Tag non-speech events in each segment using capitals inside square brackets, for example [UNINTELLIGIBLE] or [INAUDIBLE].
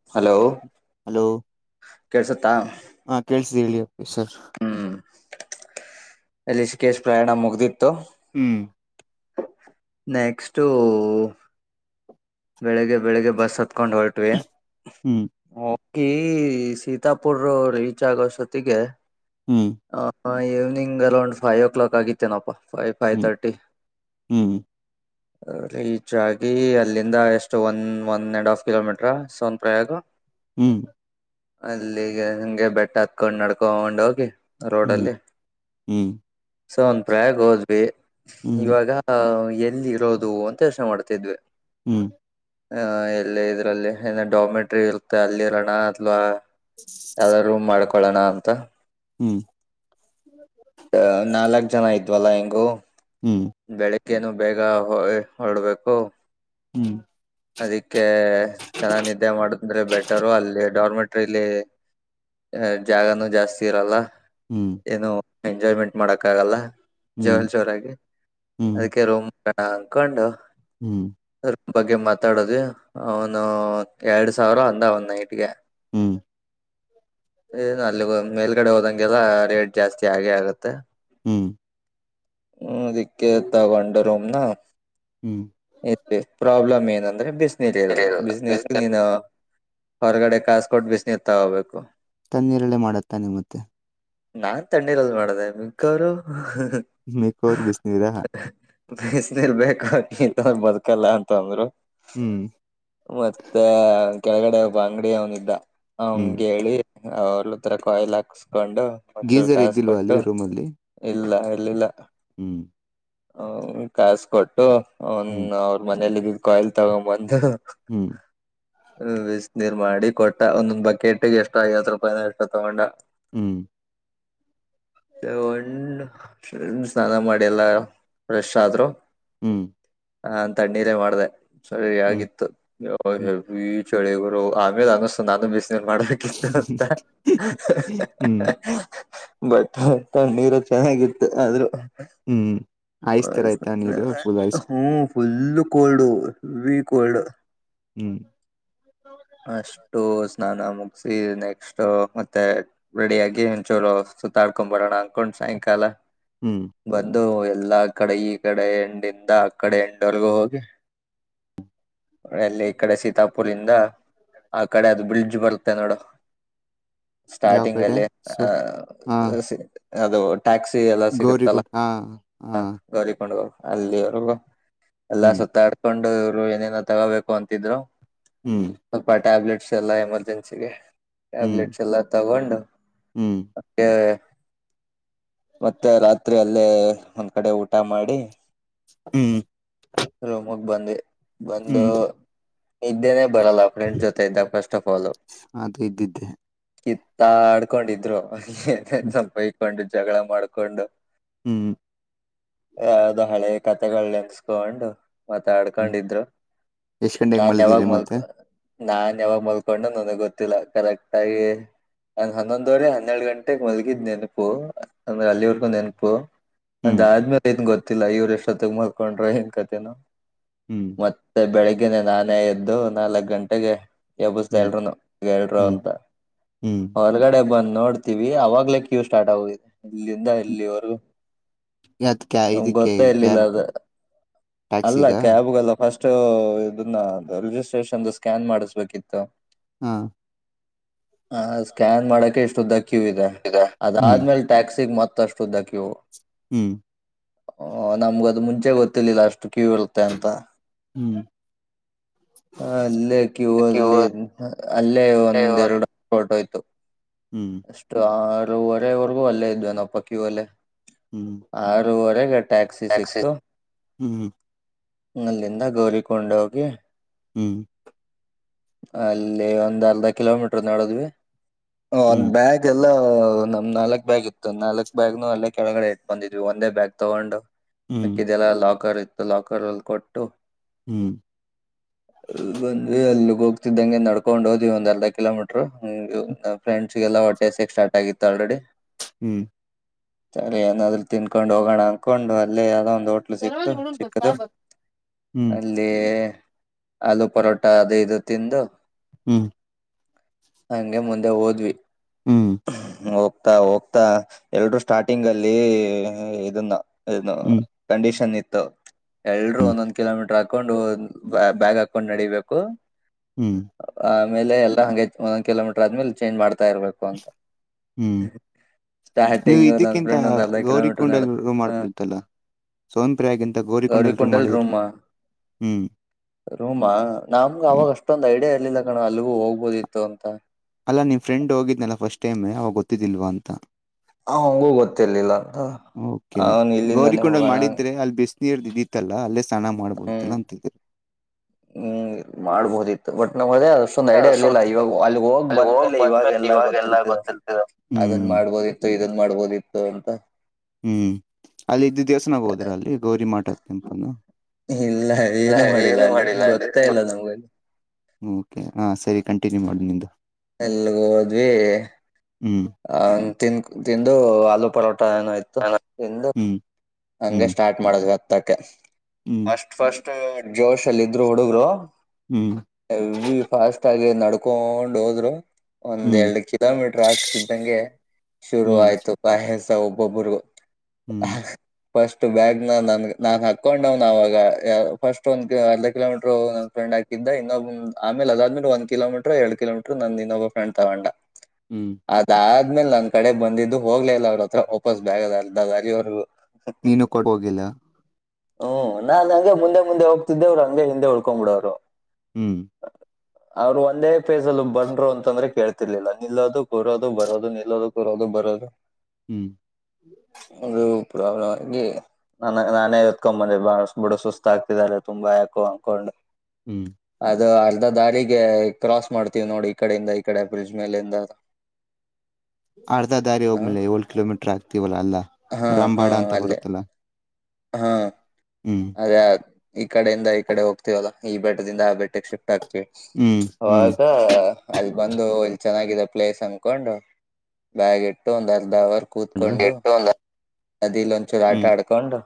C hello. ಕೇಳ್ಸುತ್ತಾ ಹಾ ಕೇಳಸಿದ್ದಿ ಹೇಳಿ ವಿ ಸರ್. ಅಲ್ಲಿ ಇಸ್ಕೇಶ್ ಪ್ರಯಾಣ ಮುಗ್ದಿ ಹ್ಮ್. ನೆಕ್ಸ್ಟೂ ಬೆಳಿಗ್ಗೆ ಬೆಳಿಗ್ಗೆ ಬಸ್ ಕುತ್ಕೊಂಡ್ ಹೊರಟ್ವಿ ಹ್ಮ್ ಓ ಕೇ ಸೀತಾಪುರ್ ರೀಚ್ ಆಗೋಸೊತ್ತಿಗೆ ಹ್ಮ್ ಹಾಂ ಇವ್ನಿಂಗ್ ಅರೌಂಡ್ ಫೈಯೋ ಕ್ಲಾಕ್ ಆಗಿತ್ತೇನೋ ಫೈ ಫೈವ್ ಹ್ಮ್ ತರ್ಟಿ ಹ್ಮ್ ರೀಚ್ ಆಗಿ ಅಲ್ಲಿಂದ ಎಷ್ಟು one one and half kilometre ಸೌನ್ ಪ್ರಯೋಗ ಹ್ಮ್ ಅಲ್ಲಿಗೆ ಹಂಗೆ ಬೆಟ್ಟ ಹತ್ಕೊಂಡ್ ನಡ್ಕೋಂಡ್ ಹೋಗಿ ಹ್ಮ್ ರೋಡಲ್ಲಿ ಹ್ಮ್ ಸೊ ಒಂದ್ ಪ್ರಯಾಗ ಹೋದ್ವಿ ಹ್ಮ್ ಇವಾಗಾ ಎಲ್ಲಿ ಇರೋದು ಅಂತ ಯೋಚನೆ ಮಾಡ್ತಿದ್ವಿ ಹ್ಮ್ ಆಹ ಎಲ್ಲ ಇದ್ರಲ್ಲಿ ಡಾಮೆಟ್ರಿ ಇರುತ್ತೆ ಅಲ್ಲಿರಣ ಅಥವಾ ಯಾವ್ದಾರೂ ರೂಮ್ ಮಾಡ್ಕೋಂಡ್ ಪಳಣ ಅಂತ ಹ್ಮ್ ಅ ನಾಲ್ಕು ಜನ ಆಯ್ತ್ ಜ್ವಲ ಎಂಗೂ ಹ್ಮ್ ಕ್ಕೇನು ಬೇಗ ಹೊಯ್ ಹೊರ್ಡ್ಬೇಕು ಹ್ಮ್ ಅದಕ್ಕೆ ಚೆನ್ನ ನಿದ್ದೆ ಮಾಡಿದ್ರೆ ಬೆಟರು ಅಲ್ಲಿ ಡಾರ್ಮೆಂಟ್ ಟಲ್ಲಿ ಜಾಗನೂ ಜಾಸ್ತಿ ಇರಲ್ಲ ಹ್ಮ್ ಏನೋ ಎಂಜಾಯ್ಮೆಂಟ್ ಮಾಡಕ್ಕ್ ಆಗಲ್ಲ ಹ್ಮ್ ಜಲ್ ಜೋರಾಗಿ, ಅದಕ್ಕೆ ರೋಮ್ ಆ ಹಾಕೊಂಡು ಹ್ಮ್ ಬಗ್ಗೆ ಮತ್ ಮಾತಾಡದು ಒನು ಎರಡ್ ಸಾವಿರ ಅಂದ ಒಂದ್ ನೈಟ್ಗೆ ಹ್ಮ್ ಏನು ಅಲ್ಲಿ ಮೇಲ್ಗಡೆ ಹೋದಂಗೆಲ್ಲಡ್ ಜಾಸ್ತಿ ಹಾಗೆ ಆಗತ್ತೆ ಹ್ಮ್ ಹ್ಮ್ದಕ್ಕೆತಗೊಂಡ ರೂಮ್ ನ ಹ್ಮ್ ಇ ಪ್ರಾಬ್ಲಮ್ ಏನ ಅ ಬಿಸನಿರಿಲ್ ಬಿಸನಿ ನೀನ ಹೊರಗಡೆ ಕಾಸಕೋಟ್ಟು ಬಿಸ್ ನೀರು ತಗೋಬೇಕು ಹೋಬೇಕು ತಣ್ಣೀರಲ್ಲಿ ಮಾಡುತ್ತಾನೆ ಮತ್ತೆ ನಾನ್ ತಣ್ಣೀರಲ್ಲಿ ಮಾಡದ ಮಿಕರು ಮೇಕೋರ್ ಬಿಸಿನೀರಾ ಬಿಸ್ನೀರ್ ನರ್ ಬೇಕು ಬದುಕಲ್ಲ ಅಂತ ಅಂದ್ರು ಹ್ಮ್ ಮತ್ತೆ ಕೆಳಗಡೆ ಒಬ್ಬ ಅಂಗಡಿ ಅವನ ಇದ್ದ ಹ್ಮ್ ಹಂಗ ಹೇಳಿ ಹೌಲ್ಲ ತರ ಕೊಯಿಲ್ ಅ ಸ್ ಕಕೊಂಡು ಒಂಚೂರು ಗೀಸರ್ ಕಾಸು ಇದ್ದಿಲ್ವಾ ಅಲ್ಲಿ ಕೊಟ್ಟು ರೂಮ್ ಅಲ್ಲಿ ಇಲ್ಲ ಇರ್ಲಿಲ್ಲ ಹ್ಮ್ ಅವನು ಕಾಸ್ ಕೊಟ್ಟು ಅವನ್ ಹ್ಮ್ ಅವ್ರ ಮನೆಯಲ್ಲಿ ಕಾಯಿಲ್ ತಗೊಂಬಂದ್ದು ಹ್ಮ್ ಹ್ಮ ಇಸ್ ನೀರ್ ಮಾಡಿ ಕೊಟ್ಟ ಒಂದೊಂದ್ ಬಕೆಟ್ಗೆ ಎಷ್ಟೋ ಐವತ್ತು ರೂಪಾಯಿನ ಎಷ್ಟು ತಗೊಂಡ ಹ್ಮ್ ಏ ಒಂಡ್ ಸ್ನಾನ ಮಾಡಿ ಎಲ್ಲಾ ಪ್ರೆಶ್ ಆದ್ರು ಹ್ಮ್ ಹ ಅ ತಣ್ಣೀರ ಮಾಡಿದೆ ಸರಿ ಹ್ಮ್ ಹಗಿತ್ತು ಹ್ಮ್ ಹೆ ಚಳಿಗುರು ಆಮೇಲೆ ಅನ್ನಿಸತು ನಾನು ಬಿಸ್ ನ್ ಮಾಡಕಿತ್ತು ಅಂತ ಹ ಹ್ಮ್ ಹ ಬಟ್ ನೀರು ಚೆನ್ನಾಗಿತ್ತು ಆದ್ರೂ ಹ್ಮ್ ಐಸ್ ತರ ಕಾಯಸ್ ಆಯ್ತಾ ನೀರು ಫುಲ್ ಐಸ್ ಫುಲ್ಲು ಕೊಲ್ಡು ವೀ ಕೋಲ್ಡ್ ಹ್ಮ್ ಅಷ್ಟು ಸ್ನಾನ ಮುಗಸಿ ನೆಕ್ಸ್ಟ್ ಮತ್ತೆ ರೆಡಿಯಾಗಿ, ಒಂಚುರು ಸುತ್ತಾಡ್ಕೊಂಡ್ ಬರೋಣ ಅನ್ಕೊಂಡ್, ಸಾಯಂಕಾಲ ಹ್ಮ್ ಬಂದು ಎಲ್ಲಾ ಕಡೆ ಈ ಕಡೆ ಹೆಂಡಿಂದ ಆ ಕಡೆ ಎಂಡವರ್ಗೂ ಹೋಗಿ ಎಲ್ಲಿ ಈ ಕಡೆ ಸೀತಾಪುರ್ ಇಂದ ಆ ಕಡೆ ಅದು ಬಿಲ್ ಜು ಬರತ್ತೆ ನೋಡು ಯಾವ ಸ್ಟಾರ್ಟಿಂಗ್ ಕಡೆ ಅಲ್ಲಿ ಸು ಆ ಹಾ ಅದು ಟ್ಯಾಕ್ಸಿ ಎಲ್ಲ ಸಿಗುತ್ತಲ್ಲ ಗೌರಿಗುಂಟ್ ಹಾ ಹಾ ಗೌರಿಕೊಂಡು ಹೋಗ ಅಲ್ಲಿವಗ ಎಲ್ಲಾ ಹ್ಮ್ ಸುತ್ತಾಡ್ಕೊಂಡ [UNINTELLIGIBLE] ಏನೇನ ತಗೋಬೇಕು ಅಂತಿದ್ರು ಹ್ಮ್ ಹಬ ಟ್ಯಾಬ್ಲೆಟ್ ಎಲ್ಲಾ ಎಮರ್ಜೆನ್ಸಿಗೆ ಹ್ಮ್ ಟ್ಯಾಬ್ಲೆಟ್ಸ್ ಎಲ್ಲ ತಗೊಂಡು ಹ್ಮ್ ಏ ಮತ್ತೆ ರಾತ್ರಿ ಅಲ್ಲೇ ಒಂದ್ ಕಡೆ ಊಟ ಮಾಡಿ ಹ್ಮ್ ಬಂದೆ ಬಂದು ಹ್ಮ್ ಇದ್ದೇನೆ ಬರಲ್ಲ ಫ್ರೆಂಡ್ ಜೊತೆ ಇದ್ದ ಫಸ್ಟ್ ಆಫ್ ಆಲ್ ಅದು ಇದ್ದಿದ್ದೆ ಆಡ್ಕೊಂಡಿದ್ರು ಅ ಹ್ಮ್ ಸಂಭವೊಂಡ ಜಗಳ ಮಾಡ್ಕೊಂಡು ಹ್ಮ್ ಯದು ಹಳೆ ಕತೆೆಗಳ ಎನ್ಸ್ಕೊಂಡು ಮತ್ತ ಹ್ಮ್ ಕಕೊಂಡಿದ್ರು ಎಷ್ಟ್ ಗಂಟೆಗೆ ನ ಯಾವಾಗ್ ಮಲಗಿದ್ರಿ ಮಲ್ಕ ಮತ್ತೆ ನಾನ್ ಯಾವಾಗ ಮಲ್ಕೊಂಡ ನನಗ್ ಗೊತ್ತಿಲ್ಲ ಕರೆಕ್ಟ್ ಆಗಿ ನಂದ ಹನ್ನೊಂದುವರೆ ಹನ್ನೆರಡು ಗಂಟೆಗೆ ಮಲ್ಗಿದ್ ನೆನಪು ಅಂದ್ರೆ ಅಲ್ಲಿವರ್ಗೂ ನೆನಪು ಹ್ಮ್ ಅದಾದ್ಮೇಲೆ ಏನ್ ಗೊತ್ ಗೊತ್ತಾ ಇವ್ರ ಎಷ್ಟೊತ್ತಗ ಮರ್ಕೊಂಡ್ರ ಏನ್ ಕತೆನೋ ಹ್ಮ್ ಮತ್ತೆ ಬೆಳಿಗ್ ಹನೆ ನಾನೇ ಎದ್ದು ನಾಲ್ಕ್ ಗಂಟೆಗೆ ಎಬಸ್ದೆ ಹ್ಮ್ ಎಲ್ರುನು ಎಲ್ರು ಹ್ಮ್ ಅಂತ ಹ್ಮ್ ಹೊಲ್ಗಡೆ ಬಾ ಅಂತ ನೋಡ್ತೀವಿ ಅವಾಗ್ಲೇ ಕ್ಯೂ ಸ್ಟಾರ್ಟ್ ಆಗಿದೆ. ಇಲ್ಲಿಂದ ಇಲ್ಲಿವರು ಯಾವ್ದ್ ಕ್ಯಾ ನಮ್ಗ್ ಇದಕ್ಕೆ ಗೊತ್ತೇ ಇರ್ಲ್ಲಿಲ್ಲಲ ಕ್ಯಾಬ್ ಅದು ಅಲ್ಲ ಟ್ಯಾಕ್ಸಿಗ ಕ್ಯಾಬ್ ಲ್ಲ ಫಸ್ಟ್ ಇದನ್ನ ರಿಜಿಸ್ಟ್ರೇಷನ್ ಸ್ಕ್ಯಾನ್ ಮಾಡಿಸ್ಬೇಕಿತ್ತು. ಹಾ ಹ ಸ್ಕ್ಯಾನ್ ಮಾಡಕ ಇಷ್ಟು ಉದ್ದ ಕ್ಯೂ ಇದೆ ಹ್ಮ್ ಅದಾದ್ಮೇಲೆ ಟ್ಯಾಕ್ಸಿಗ ಮತ್ತ ಮತ್ತಷ್ಟು ಉದ್ದಕ್ಯೂ ಹೂ ಹ ನಮಗೆ ಅದು ಮುಂಚೆ ಗೊತ್ತಿರಲಿಲ್ಲ ಅಷ್ಟು ಕಿವ ಇರು ಹ ಹ್ಮ್ ಹ್ಮ್ ಅಲ್ಲೇ ಕ್ಯೂ ಅಲ್ಲಿ ಅಲ್ಲೇ ಒಂದ ಎರಡು ಫೋಟೋ ಆಯ್ತು ಸ್ಟ್ರಾ ಆ ಏಳುವರೆ ವರೆಗೂ ಅಲ್ಲೇ ಇದ್ದೆ ಏನಾಪ್ಪ ಕ್ಯೂ ಅಲ್ಲೇ ಹ್ಮ್ ಆರು ಎಲ್ಲಿ ಟ್ಯಾಕ್ಸಿ ಸಿಕ್ತು ಹ್ಮ್ ಅಲ್ಲಿಂದ ಗೌರಿ ಕೊಂಡಾಗೆ ಹೋಗಿ ಹ್ಮ್ ಅಲ್ಲೇ ಒಂದ ಅರ್ಧ ಕಿಲೋ ಮೀಟರ್ ನಾಡದ್ವಿ ಹ ಒಂದ್ ಹ್ಮ್ ಬ್ಯಾಗ್ ಅಲ್ಲ ಇಲ್ಲ ನಮ್ಮ ನಾಲ್ಕ್ ಬಾಗ್ ಇತ್ತು ನಾಲ್ಕಕ್ ಬ್ಯಾಗನೂ ಅಲ್ಲೇ ಕೆಳಗಡೆ ಇಟ್ಟ ಬಂದಿದೀವಿ ಒಂದೇ ಬ್ಯಾಗ್ ತಗೊಂಡು ಹ್ಮ್ ಮಿಕ್ಕಿದ್ದೆಲ್ಲಾ ಲಾಕರ್ ಇತ್ತು ಲಾಕರಲ ಕೊಟ್ಟು ಹ್ಮ್ ಬಂದಿವೆ ಅಲ್ಲೇ ಹೋಗ್ತಿದ್ದಂಗೆ ನಡ್ಕೊಂಡ್ ಹೋದ್ವಿ ಅರ್ಧ ಕಿಲೋಮೀಟರ್ ಹೂ ಫ್ರೆಂಡ್ಸ್ ಗೆಲ್ಲ ಹೊಟ್ಟೆ ಹಸಿವು ಸ್ಟಾರ್ಟ್ ಆಗ್ಬಿಟ್ಟಿತ್ತು ಆಲ್ರೆಡಿ ಹೂ ಸರಿ ಏನಾದ್ರೂ ತಿಂದುಕೊಂಡ ಹೋಗೋಣ ಅಂದಕೊಂಡು ಅಲ್ಲೇ ಏನರ ಹೋಟೆಲ್ ಹ್ಮ್ ಹ್ಮ್ ಸಿಕ್ತು ಹ್ಮ್ ಚಿಕ್ಕದು ಹ್ಮ್ ಅಲ್ಲಿ ಆಲೂ ಪರೋಟ ಅದು ಇದು ತಿಂದು ಹು ಹಂಗೆ ಮುಂದೆ ಹೋದ್ವಿ ಒ ಹೋಗ್ತಾ ಹೋಗ್ತಾ ಎರಡು ಸ್ಟಾರ್ಟಿಂಗ್ ಅಲ್ಲಿ ಇದನ್ನ ಇನ್ನು ಹ್ಮ್ ಕಂಡೀಷನ್ ಇತ್ತ ತೋ ಎಲ್ರೂ ಹ್ಮ್ ಒಂದೊಂದು ಕಿಲೋ ಹಕೊಂಡು ಬ್ಯಾಗ ಹಕೊಂಡು ನಡೆಯಬೇಕು ಹೂ ಆಮೇಲೆ ಎಲ್ಲ ಹಂಗೆ ಒಂದ ಕಿಲೋಮೀಟರ್ ಆದ್ಮೇಲೆ ಚೇಂಜ್ ಮಾಡ್ತಾ ಇರಬೇಕು ಹು ನೀವು ನನ್ ಇದಕ್ಕಿಂತ ಫ್ರೆಂಡ್ ಒಂದ್ ಅರ್ಧ ಗೌರಿ ಕಿಲೋಮೀಟರ್ ನಡ್ ಕುುಂಡಲ್ ರೂಮ್ ಹ್ಮ್ ಮಾಡಬಹುದಾಗಿತ್ತಲ್ಲ ಸೋನ್ಪ್ರಿಯದ ಗೌರಿ ಗೌರಿ ಕುಂಡಲ್ ರೂಮಾ? ರೂಮಾ, ನಮಗ್ ಅವಾಗ ಹ್ಮ್ ಅಷ್ಟೊಂದ ಐಡಿಯ ಗೊತ್ತೇ ಇರ್ಲಿಲ್ಲ ಕಣೋ, ಅಲ್ಲಿಗೂ ಹೋಗ್ಬೋದಿತ್ತು ಅಂತ. ಅಲ್ಲ ನಿಮ್ಮ್ ಫ್ರೆಂಡ್ ಹೋಗಿದ್ನಲ್ಲ ಫಸ್ಟ್ ಟೈಮೆ, ಅವಾಗ ಗೊತ್ತಿದ್ದಿಲ್ವಾ ಅಂತ. ಹ, ಅವನ್ಗೂ ಗೊತ್ತಿರ್ಲಿಲ್ಲ. ಓಕೆ, ಅವನ್ ಗೌರಿ ಇಲ್ಲಿಂದಾನೇ ಕುಂಡಲ್ ಹೋಗೋಣ ಮಾಡಿದ್ರೆ ಅಲ್ ಬಿಸ [UNINTELLIGIBLE] ಬಿಸ್ನೀರ್ದ್ ಇದಿತ್ತಲ್ಲ, ಅಲ್ಲೇ ಸ್ನಾನ ಸ್ನಾನ ಹ್ಮ್ ಮಾಡಬಹುದಿತಲ್ಲ ಅಂತಿದ್ದೆ. ಹ್ಮ್, ಮಾಡ್ಬೋದಿತ್ತು ಬಟ್ ನಮಗೆ ಅದೆ ಅಷ್ಟೊಂದು ಐಡಿಯಾ ಸುಮ್ ಇರ್ಲಿಲ್ಲ, ಇವಾಗ ಅಲ್ಲಿಗ್ ಹೋಗ್ ಬಂದ್ಮೇಲೆ ಇವಾಗೆಲ್ಲಾ ಗೊತ್ತಿರ್ತದೆ. ಅದನ್ ಮಾಡ್ಬೋದಿತ್ತು, ಇದ ಮಾಡ್ಬೋದಿತ್ತು ಅಂತ. ಹ್ಮ್, ಅಲ್ಲಿ ಇದ್ದ ದೇವಸ್ತಾನಗ ಹೋದ್ರ, ಅಲ್ಲಿ ಗೌರಿ ಮಾಟದ ತೆಂಪನು. ಇಲ್ಲ ಏನು ಮಾಡಿಲ್ಲ ಅಲ್ಲಿ. ಗೊತ್ತೇ ಇಲ್ಲ, ನಮ್ಗಲ್ಲಿ. ಓಕೆ, ಹಾ ಸರಿ, ಕಂಟಿನ್ಯೂ ಮಾಡು ನಿಂದು. ಎಲ್ಗ್ ಹೋದ್ವಿ ಹ್ಮ್ ಆಂ ತಿನ್, ತಿಂದು ಆಲೂ ಪರೋಟ ಊಟ ಏನ ಆಯ್ತು? ಹಾ ನಿನ್ದು? ಹ್ಮ್ ಹಂಗೆ ಹ್ಮ್ ಸ್ಟಾರ್ಟ್ ಮಾಡ ಅದು [UNINTELLIGIBLE] ಹತ್ತಕ್ಕೆ. ಹ್ಮ್ ಫಸ್ಟ್ ಫಸ್ಟ್ [UNINTELLIGIBLE] ಜೋಶ್ ಅಲ್ಲಿ ಇದ್ರು ಹುಡುಗ್ರು ಹ್ಮ್ ಹೆವಿ ಫಾಸ್ಟ್ ಆಗ [UNINTELLIGIBLE] ನಡ್ಕೋಂಡ್ ಹೋದ್ರು. ಒಂದ್ ಹ್ಮ್ ಎರಡು ಕಿಲೋಮೀಟರ್ ಆಗ್ತಿದಂಗೆ, ಶುರು ಹ್ಮ್ ಆಯ್ತು, ಪಾಯ [UNINTELLIGIBLE] ಒಬ್ಬೊಬ್ಬರಿಗು ಹ್ಮ್ ಫಸ್ಟ್ ಬ್ಯಾಗ್ನ್ ನನಗ್ ನಾನ್ ಹಾಕೊಂಡ್ವ್ನ ಅವಾಗ, ಫಸ್ಟ್ ಒಂದ ಅರ್ಧ ಕಿಲೋಮೀಟರ್ ನನ್ ಫ್ರೆಂಡ್ ಹಾಕಿದ್ದ, ಇನ್ನೊಬ್ ಆಮೇಲೆ ಅದಾದ್ಮಲೆ ಒಂದ ಕಿಲೋಮೀಟ್ರ ಎರಡ್ ಕಿಲೋಮೀಟರ್ ನನ್ದ ಇನ್ನೊಬ್ಬ ಫೆಂಡ್ ತಗೊಂಡ. ಹ್ಮ್ ಅದಾ ಆದ್ಮೇಲೆ [UNINTELLIGIBLE] ನನ್ ಕಡೆ ಬಂದಿದ್ದು ಹೋಗ್ಲೇ ಇಲ್ಲ ಅವ್ರ ಹತ್ರ ವಾಪಸ್ ಬ್ಯಾಗ ಅದ್ ಅರ್ಧ ದಾರಿವರ್ಗೂ. ನೀನು ಕೊಡ್ [UNINTELLIGIBLE] ಹೋಗಿಲ್ಲ. ಹೂ, ನಾನ್ ಹಂಗೆ ಮುಂದೆ ಮುಂದೆ ಹೋಗ್ತಿದ್ದೇ, ಅವರ್ ಹಂಗೆ ಹಿಂದೆ ಉಳ್ಕೊಂಡ್ ಬಿಡೋರು. ಹ್ಮ್ ಅವ್ರು ಒಂದೇ ಫೇಸ್ ಅಲ್ಲಿ ಬನ್ರು ಅಂತಂದ್ರೆ ಕೇಳ್ತಿರ್ಲಿಲ್ಲ. ನಿಲ್ಲೋದು, ಕೂರೋದು, ಬರೋದು, ನಿಲ್ಲೋದು, ಕೂರೋದು, ಬರೋದು ಹ್ಮ್ ಅದು ಪ್ರಾಬ್ಲಮ್ ಆಗಿ ನ ನಾನೇ ಎತ್ಕೊಂಡು ಬಂದೆ ಬ ಬಿಡ ಸುಸ್ತ ಆಗ್ತಿದ್ದಾರೆ ತುಂಬಾ ಯಾಕೋ ಅನ್ಕೊಂಡು. ಹ್ಮ್ ಅದು ಅಲ್ಲ. ದಾರಿಗೆ ಕ್ರಾಸ್ ಮಾಡ್ತೀವ್ ನೋಡಿ ಈ ಕಡೆಯಿಂದ ಈ ಕಡೆ ಬ್ರಿಡ್ಜ್ ಮೇಲಿಂದ. ಅರ್ಧ ದಾರಿ ಹ ಹೋಗ್ಮೇಲೆ ಏಳು ಕಿಲೋಮೀಟ್ರರ್ ಆಗ್ತತಿವಲ್ಲಾ ಅಲ್ಲ ಹಾ ರಾಮ್ ಹಾ ಬಾಡ ಅಂತ ಅಲ್ಲೇ ಬರುತ್ತಲ್ಲ. ಹಾ ಹ್ಮ್ ಯಾದ್ ಈ ಕಡೆಯಿಂದ ಈ ಕಡೆ ಹೋಗ್ತೀವಲ್ಲ ಈ ಬೆಟ್ಟದಿಂದ ಆ ಬೆಟ್ಟಕ್ಕೆ ಶಿಫ್ಟಿ. ಆಗ್ತೀವಿ ಹ್ಮ್ ಹ್ಮ್ ಆಗ [INAUDIBLE] ಬಂದು ಇಲ್ಲಿ ಚೆನ್ನಾಗಿದೆ ಪ್ಲೇಸ್ ಅನ್ಕೊಂಡ್ ಬ್ಯಾಗ್ ಇಟ್ಟು ಒಂದ್ ಅರ್ಧ ಅವರ್ ಕೂತ್ಕೊಂಡು ನದಿಲಿ ಒಂಚೂರು ಆಟ ಹ್ಮ್ ಆಡ್ಕೊಂಡು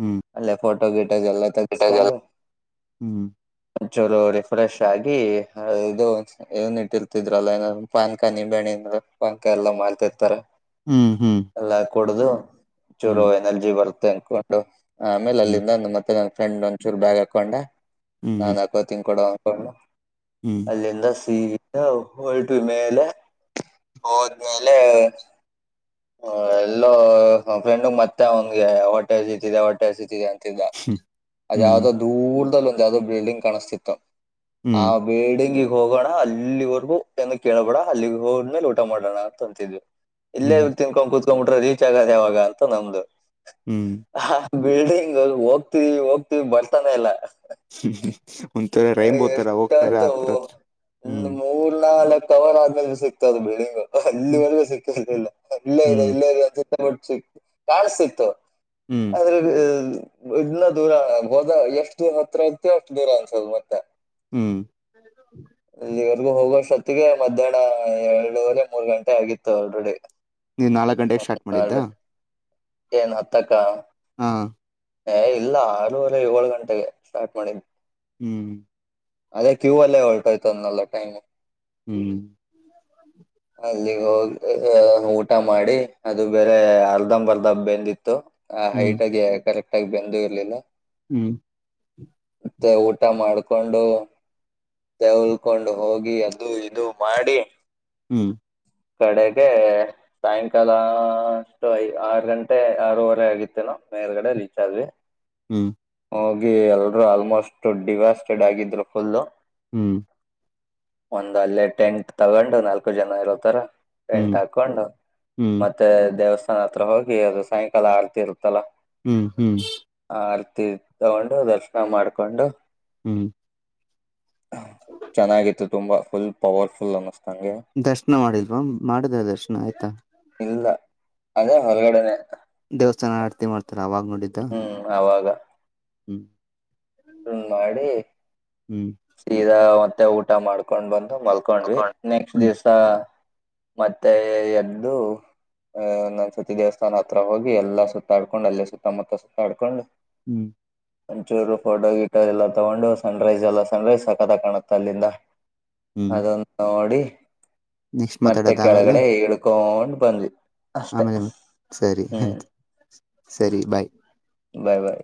ಹ್ಮ್ ಅಲ್ಲೇ ಫೋಟೋ ಗಿಟ್ ಯಲ್ಲ ತಗಸ್ಕೊಂಡು ಒಂಚೂರು ರಿಫ್ರೆಶ್ ಆಗಿ ಇದು ಏನ್ ಇಟ್ಟಿರ್ತಿದ್ರಲ್ಲ ಏನ ಪಾನ್ಕ ನಿಂಬಣಿ ಪಾನ್ಕ ಎಲ್ಲ ಮಾಡ್ತಿರ್ತಾರೆ ಹ್ಮ್ ಹ್ಮ್ ಕೊಡ್ದು ಚೂರು ಎನರ್ಜಿ ಬರ್ತ ತೆರ್ಕೊಂಡು ಆಮೇಲೆ ಅಲ್ಲಿಂದ ನಮ್ ಅತ್ತೆ ಮನೆ ಫೆಂಡ್ ಒಂದಚೂರು ಬ್ಯಾಗ್ ಹಾಕೊಂಡ ನಾ ಹ್ಮ್ ನಾಕೋತಿನ್ ಕೊಡೊ [INAUDIBLE] ಅಲ್ಲಿಂದ ಸಿ ಹ ಹೊಲ್ಟವಿ ಮೇಲೆ ಹೋದ್ಮೇಲೆ ಹ ಎಲ್ಲೋ ಫ್ರೆಂಡಗ್ ಮತ್ತೆ ಅವಂಗೆ ಹೊಟ್ಟೆ ಹಸಿತಿದೆ ಹೊಟ್ಟೆ ಹಸಿತಿದೆ ಅಂತ ಅಂತಿದ್ದ ಅದ ಯಾವದೋ ಹ್ಮ್ ದೂರದಲ್ಲ ಯಾವದೋ ಬಿಲ್ಡಿಂಗ್ ಕಾಣಿಸ್ತಿತ್ತು ಅ ಹ್ಮ್ ಬಿಲ್ಡಿಂಗ್ ಹೋಗೋಣ ಅಲ್ಲಿವರೆಗೂ ಏನು ಕೇಳಳ್ಬೇಡ ಅಲ್ಲಿಗೆ ಹೋದ್ಮೇಲೆ ಊಟ ಮಾಡೋಣ ಅಂತ ಅಂತಿದ್ವಿ ಹ್ಮ ಕೂತ್ಕೊಂಡ್ಂಬಿಟ್ರೆ ರೀಚ್ ಆಗದೆ ಯಾವಾಗ ಅಂತ ನಮ್ದು ಹ್ಮ್ ಬಿಲ್ಡಿಂಗ್ ಹೋಗ್ತಿವಿ ಹೋಗ್ತಿವಿ ಬರ್ತಾನೆ ಇಲ್ಲ. ರೈನ್ಬೋ ತರ ಹೋಗ್ತಾರೆ ಎಷ್ಟೊತ್ತು ಹತ್ರತ್ರ ಹ್ಮ್. ಕಾಲ್ ಕವರ್ ಆದ್ಮೇಲೆ ಸಿಗ್ತದು ಬಿಲ್ಡಿಂಗ್. ಹ್ಮ್ ಅಲ್ಲಿವರೆಗೂ ಸಿಕ್ಕಿರಕಿಲ್ಲಾ ಇಲ್ಲೇ ಇದೆ ಹ್ಮ್ ಇಲ್ಲೇ ಇ ಅದು. ಟ್ಟ ಸಿಕ್ತ ಕಾಣಸ್ತಿತ್ತು. ಹ್ಮ್ ಆದ್ರೆ ಇನ್ನ ದೂರ ಹೋದ ಎಷ್ಟು ದ ಹತ್ರ ಐತಿ ಅಷ್ಟ್ ದೂರ ಅನ್ಸದು ಮತ್ತೆ. ಹ್ಮ್ ಎಲ್ಲಿಗೋ ಹೋಗೋಸ ಮತ್ತಿಗೆ ಮಧ್ಯಾಹ್ನ ಎರಡೂವರೆ ಮೂರ್ ಗಂಟೆ ಆಗಿತ್ತು ಆಲ್ರೆಡಿ. ನೀನ್ ನಾಲ್ಕ ಗಂಟೆಗೆ ಸ್ಟಾರ್ಟ್ ಮಾಡಿದ್ದಾ? ಏನ್ ಹತ್ತಕ್ಕ ಹಾ ಏ ಇಲ್ಲ ಆರೂವರೆ ಏಳು ಗಂಟೆಗೆ ಸ್ಟಾರ್ಟ್ ಮಾಡಿದ್. ಹ್ಮ್ ಅದೇ ಕ್ಯೂ ಅಲ್ಲೇ ಹೊಲ್ಟ ಆಯ್ತು ಅದ್ನಲ್ಲ ಟೈಮೂ. ಹ್ಮ್ ಅಲ್ಲಿಗೆ ಹೋಗಿ. ಊಟ ಮಾಡಿ ಅದು ಬೇರೆ ಅರ್ಧಂಬರ್ದ ಬೆಂದಿತ್ತು. ಹ ಹ್ಮ್ ಹೈಟ್ ಅಗಿ ಕರೆಕ ಟ್ಟಾಗಿ ಬೆಂದು ಇರ್ಲಿಲ್ಲ. ಹ್ಮ್ ಮತ್ತೇ ಊ ಊಟ ಮಾಡ್ಕೊಂಡು ತೇವಳ್ಕೊಂಡು ಹೋಗಿ. ಅದು ಇದು ಮಾಡಿ. ಹ್ಮ್ ಕಡೆಗೆ ಸಾಯಂಕಾಲ ಅಷ್ಟು ಐ ಆರು ಗಂಟೆ ಆರೂವರೆ ಆಗಿತ್ತೇನೋ ಮೇಲ್ಗಡೆ ರೀಚ್ ಆದ್ವಿ. ಹ್ಮ್. ಹೋಗಿ ಎಲ್ರೂ ಆಲ್ಮೋಸ್ಟ್. ಡಿವೈಸ್ಟೆಡ್ ಆಗಿದ್ರು ಫುಲ್ಲು. ಹ್ಮ್. ಒಂದ್ ಅಲ್ಲೇ ಟೆಂಟ್ ತಗೊಂಡು ನಾಲ್ಕು ಜನ ಇರೋತರಾ. ಹ್ಮ್ ಎಂಟ ಹಾಕೊಂಡು ಹ್ಮ್ ಮತ್ತೆ ದೇವಸ್ಥಾನ. ನನ್ನ ಹತ್ರ ಹೋಗಿ ಅದು ಸಾಯಂಕಾಲ ಆರತಿ. ಇರುತ್ತಲ್ಲ ಹ್ಮ್ ಹ್ಮ್. ಆರತಿ ತಗೊಂಡು ದರ್ಶನ ಮಾಡ್ಕೊಂಡು. ಹ್ಮ್ ಚೆನ್ನಾಗಿತ್ತು. ತುಂಬಾ ಫುಲ್ ಪವರ್ಫುಲ್ ಅನಸ್ತ್. ದರ್ಶನ ಮಾಡಿಲ್ವಾ? ಮಾಡಿದ ದರ್ಶನ ಆಯ್ತಾ? ಇಲ್ಲ ಅದೇ ಹೊರಗಡೆನೆ. ದೇವಸ್ಥಾನ ಆಡ್ತಿ ಮಾಡ್ತ. ಅವಾಗ ನೋಡಿದ್ದ? ಹ್ಮ್ ಅವಾಗ ಹ್ಮ್ ಮಾಡಿ ಹ್ಮ್ ಸೀದಾ ಮತ್ತೆ ಊಟ. ಊ ಮಾಡ್ಕೊಂಡ್ ಬಂದ. ಮಲ್ಕೊಂಡ್ವಿ ನೆಕ್ಸ್ಟ್ ಹ್ಮ್ ದಿವ್ಸ. ಮತ್ತೆ ಎದ್ದು ಅಹ ನನ್ ಸತಿ ದೇವಸ್ಥಾನ ಹತ್ರ ಹೋಗಿ ಎಲ್ಲಾ ಸುತ್ತಾಡ್ಕೊಂಡ್ ಅಲ್ಲೇ ಸುತ್ತಮುತ್ತ ಸುತ್ತಾಡ್ಕೊಂಡು. ಹ್ಮ್ ಒಂಚೂರು ಫೋಟೋ ಗಿಟೋ ಎಲ್ಲ ತಗೊಂಡು ಸನ್ ರೈಸ್ ಎಲ್ಲ ಸನ್ ರೈಸ್ ಸಕತ್ ಆಗಿ ಕಾಣುತ್ತೆ ಅಲ್ಲಿಂದ. ಹ್ಮ್ ಅದೊಂದು ನೋಡಿ. [UNINTELLIGIBLE] ನೆಕ್ಸ್ಟ್ ಮತ್ತೆ ಮಾತಾಡೋದ ಆಮೇಲೆ ಕೆಳಗಡೆ ಇಳ್ಕೊಂಡು. ಬಂದ್ವಿ. ಅಷ್ಟೇ ಆಮೇಲೆ ಮತ್ತೆ ಸರಿ ಆಯ್ತು ಹ್ಮ್ ಸರಿ ಬಾಯ್. ಬಾಯ್ ಬಾಯ್.